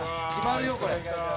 決まるよこれ。